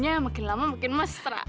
kayaknya makin lama makin mesra